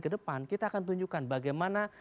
ke depan kita akan tunjukkan bagaimana